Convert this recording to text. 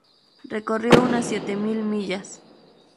Recorrió unas siete mil millas.